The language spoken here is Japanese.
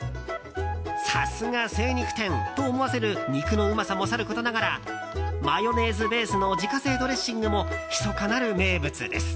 さすが精肉店と思わせる肉のうまさもさることながらマヨネーズベースの自家製ドレッシングもひそかなる名物です。